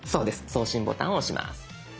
送信ボタンを押します。